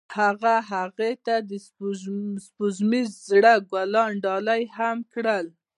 هغه هغې ته د سپوږمیز زړه ګلان ډالۍ هم کړل.